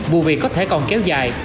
vụ việc có thể còn kéo dài